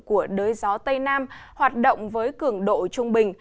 của đới gió tây nam hoạt động với cường độ trung bình